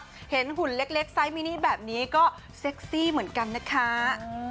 เฉ้นหุนเล็กเล็กซ้ายมินิแบบนี้ก็เซ็กซี่เหมือนกันนะคะ